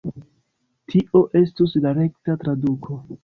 Tio estus la rekta traduko